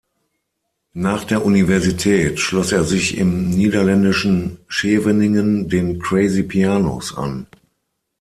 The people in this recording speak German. Nach der Universität schloss er sich im niederländischen Scheveningen den "Crazy Pianos" an.